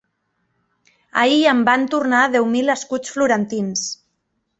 Ahir em van tornar deu mil escuts florentins.